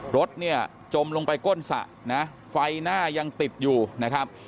รถเนี่ยจมลงไปก้นสระนะไฟหน้ายังติดอยู่นะครับ